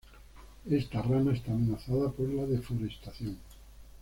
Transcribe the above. Esta rana está amenazada por la deforestación.